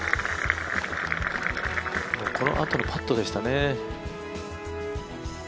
このあとのパットでしたね。